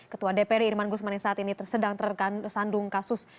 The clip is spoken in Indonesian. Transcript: ketua dpd irman gusman yang saat ini tersedang tergantung kasus